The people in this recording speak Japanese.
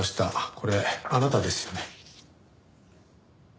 これあなたですよね？